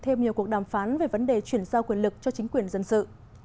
thêm nhiều cuộc đàm phán về vấn đề chuyển giao quyền lực cho chính quyền dân sự